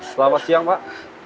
selamat siang pak